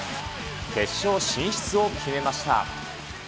決勝進出を決めました。